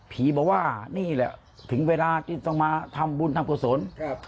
บอกว่านี่แหละถึงเวลาที่ต้องมาทำบุญทำกุศล